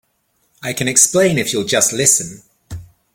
I can explain if you'll just listen.